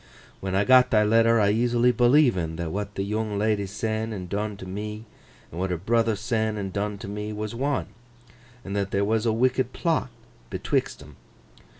When I got thy letter, I easily believen that what the yoong ledy sen and done to me, and what her brother sen and done to me, was one, and that there were a wicked plot betwixt 'em.